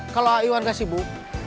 kalau ayuan gak sibuk